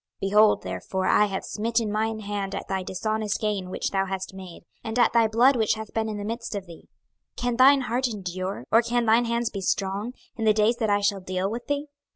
26:022:013 Behold, therefore I have smitten mine hand at thy dishonest gain which thou hast made, and at thy blood which hath been in the midst of thee. 26:022:014 Can thine heart endure, or can thine hands be strong, in the days that I shall deal with thee?